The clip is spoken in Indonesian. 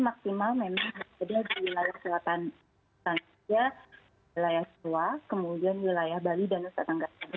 maksimal memang berbeda di wilayah selatan jawa tengah kemudian wilayah bali dan nusa tenggara